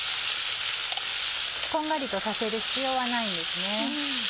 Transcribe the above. こんがりとさせる必要はないんですね。